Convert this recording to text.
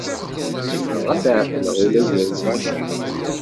Zemreɣ ad t-ɛeqleɣ ula gar lɣaci.